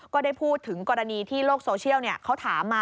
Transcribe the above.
ก็ได้พูดถึงกรณีที่โลกโซเชียลเขาถามมา